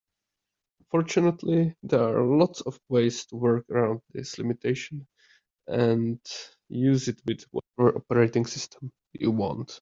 Fortunately, there are lots of ways to work around this limitation and use it with whatever operating system you want.